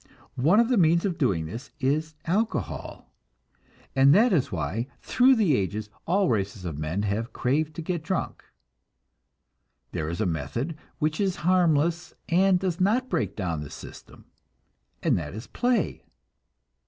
One of the means of doing this is alcohol, and that is why through the ages all races of men have craved to get drunk. There is a method which is harmless, and does not break down the system, and that is play.